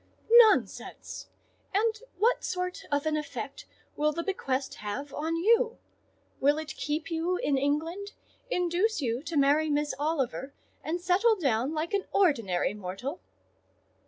"Nonsense! and what sort of an effect will the bequest have on you? Will it keep you in England, induce you to marry Miss Oliver, and settle down like an ordinary mortal?"